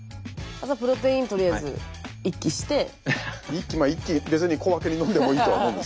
イッキまあイッキ別に小分けに飲んでもいいとは思うんですけど。